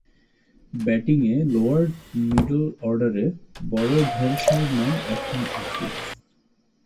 ব্যাটিংয়ে lower middle অর্ডারে বড় ভরসার নাম এখন আফিফ